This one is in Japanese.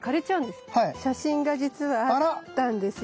写真がじつはあったんですよ。